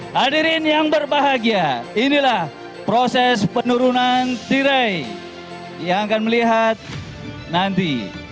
hadirin yang berbahagia inilah proses penurunan tirai yang akan melihat nanti